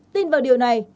tin vào điều này